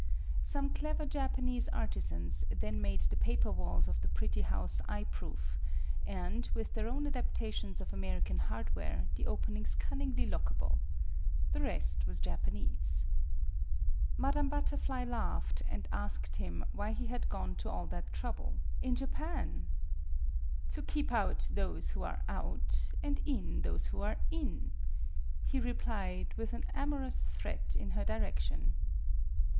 Some clever Japanese artisans then made the paper walls of the pretty house eye proof, and, with their own adaptations of American hardware, the openings cun ningly lockable. The rest was Japanese. Madame Butterfly laughed, and asked him MADAME BUTTERFLY 5 why he had gone to all that trouble in Japan! " To keep out those who are out, and in those who are in," he replied, with an amor ous threat in her direction.